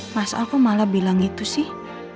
mas aku malah bilang gitu sih